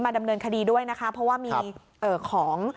ดำเนินคดีด้วยนะคะเพราะว่ามีของ